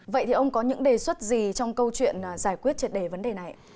vậy thì ông có những đề xuất gì trong câu chuyện giải quyết triệt đề vấn đề này